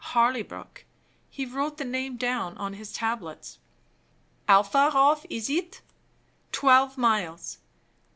Harleybrook (he wrote the name down on his tablets). "How far off is it?" Twelve miles.